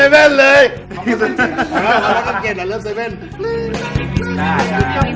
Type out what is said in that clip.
เริ่ม๗เลย